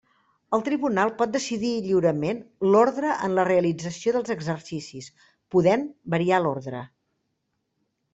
El Tribunal pot decidir lliurement l'ordre en la realització dels exercicis, podent variar l'ordre.